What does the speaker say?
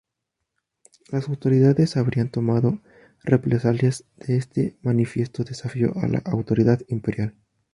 Las autoridades habrían tomado represalias de este manifiesto desafío a la autoridad imperial.